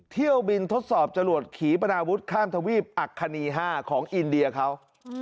เที่ยวบินทดสอบจรวดขีปนาวุฒิข้ามทวีปอัคคณี๕ของอินเดียเขา